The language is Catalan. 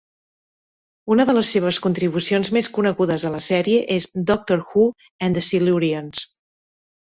Una de les seves contribucions més conegudes a la sèrie és "Doctor Who and the Silurians".